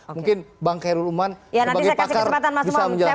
mungkin bank heruluman sebagai pakar bisa menjelaskan